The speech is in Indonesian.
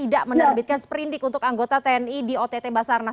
mengatakan bahwa kpk tidak menerbitkan seprindik untuk anggota tni di ott basarnas